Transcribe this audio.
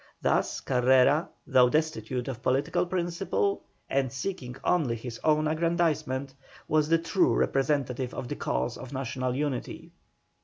Thus Carrera, though destitute of political principle, and seeking only his own aggrandisement, was the true representative of the cause of national unity.